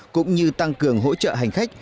cũng như tăng cường hỗ trợ hành khách